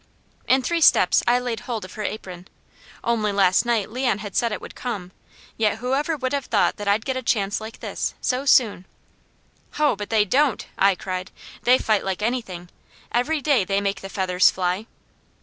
'" In three steps I laid hold of her apron. Only last night Leon had said it would come, yet whoever would have thought that I'd get a chance like this, so soon. "Ho but they don't!" I cried. "They fight like anything! Every day they make the feathers fly!"